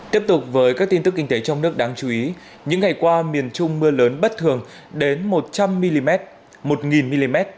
tiếp tục với các tin tức kinh tế trong nước đáng chú ý những ngày qua miền trung mưa lớn bất thường đến một trăm linh mm một mm